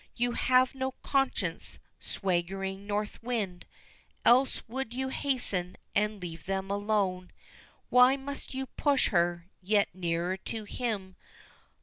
You have no conscience swaggering north wind, Else would you hasten and leave them alone; Why must you push her yet nearer to him?